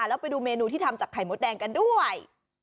แล้วไปดูเมนูที่ทำจากไข่มดแดงกันด้วย